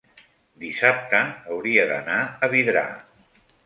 dissabte hauria d'anar a Vidrà.